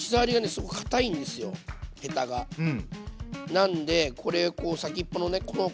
なんでこれこう先っぽのねこのヘタの部分。